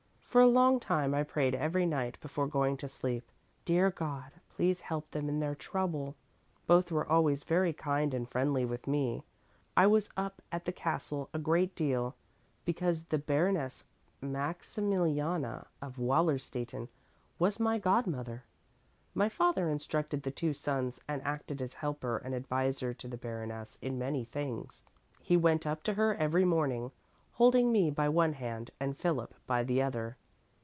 For a long time I prayed every night before going to sleep: 'Dear God, please help them in their trouble!' Both were always very kind and friendly with me. I was up at the castle a great deal, because the Baroness Maximiliana of Wallerstätten was my godmother. My father instructed the two sons and acted as helper and adviser to the Baroness in many things. He went up to her every morning, holding me by one hand and Philip by the other.